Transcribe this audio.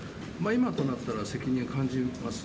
今となったら責任は感じます。